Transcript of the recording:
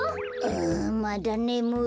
あまだねむい。